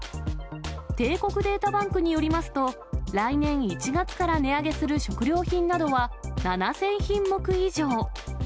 帝国データバンクによりますと、来年１月から値上げする食料品などは７０００品目以上。